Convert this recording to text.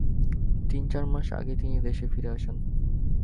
তিন চার মাস আগে তিনি দেশে ফিরে আসেন।